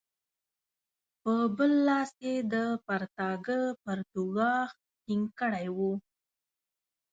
په بل لاس یې د پرتاګه پرتوګاښ ټینګ کړی وو.